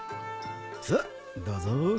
さっどうぞ。